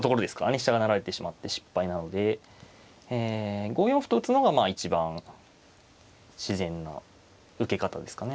飛車が成られてしまって失敗なので５四歩と打つのがまあ一番自然な受け方ですかね。